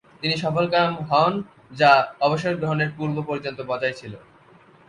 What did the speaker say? তিনি সফলকাম হন যা অবসরগ্রহণের পূর্ব-পর্যন্ত বজায় ছিল।